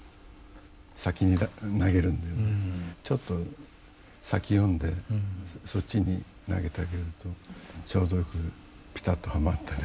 ちょっと先読んでそっちに投げてあげるとちょうどよくピタッとハマってね。